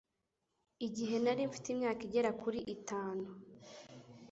Igihe nari mfite imyaka igera kuri itanu